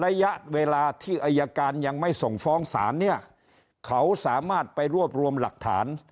ระยะเวลาที่อายการยังไม่ส่งฟ้องศาลเนี่ยเขาสามารถไปรวบรวมหลักฐาน